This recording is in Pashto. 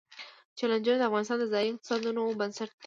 چنګلونه د افغانستان د ځایي اقتصادونو بنسټ دی.